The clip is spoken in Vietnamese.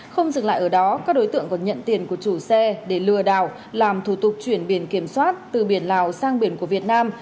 không dừng lại ở đó các đối tượng còn nhận tiền của chủ xe để lừa đảo làm thủ tục chuyển biển kiểm soát từ biển lào sang biển của việt nam